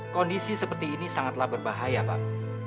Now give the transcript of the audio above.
kondisi seperti ini sangatlah berbahaya pak